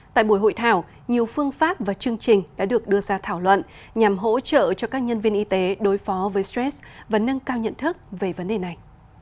tại buổi hội thảo nhiều phương pháp và chương trình đã được đưa ra thảo luận nhằm hỗ trợ cho các nhân viên y tế đối phó với stress và nâng cao nhận thức về vấn đề này